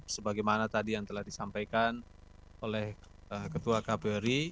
sebagai mana tadi yang telah disampaikan oleh ketua kpuri